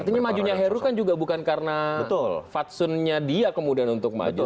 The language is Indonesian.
artinya majunya heru kan juga bukan karena fatsunnya dia kemudian untuk maju